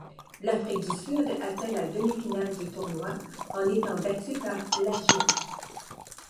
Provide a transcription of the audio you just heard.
L'Afrique du Sud atteint la demi-finale du tournoi, en étant battue par l'Algérie.